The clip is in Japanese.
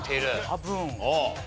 多分。